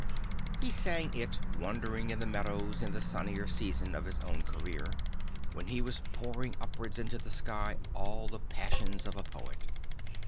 He sang it \vandering in th e meadows in the sunnier season of his own career l when he was pouring upwards into the sky all the passions of a poet.